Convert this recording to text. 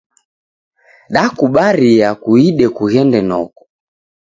Dakubaria kuide kughende noko.